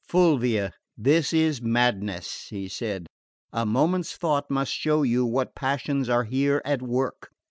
"Fulvia, this is madness," he said. "A moment's thought must show you what passions are here at work.